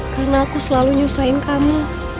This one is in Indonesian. karena aku selalu nyusahin kamu